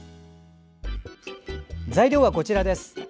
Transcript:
材料はこちらです。